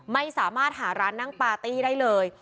ไม่สามารถหาร้านนั่งปาร์ตี้ได้เลย